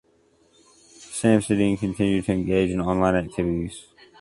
Samsudeen continued to engage in online activities.